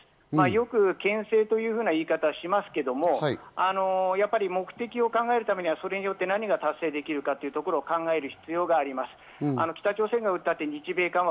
よくけん制という言い方をしますが、目的を考えるためにはそれによって何が達成できるかということを考える必要があります。